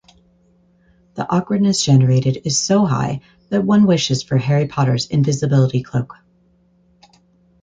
The awkwardness generated is so high that one wishes for Harry Potter’s invisibility cloak.